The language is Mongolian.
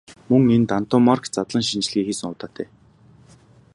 Мөн энд Антоммарки задлан шинжилгээ хийсэн удаатай.